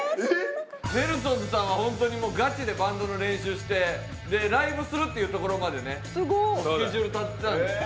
ネルソンズさんは本当にガチでバンドの練習してライブするっていうところまでねスケジュール立ててたんですよ。